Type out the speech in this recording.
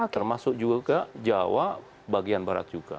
termasuk juga jawa bagian barat juga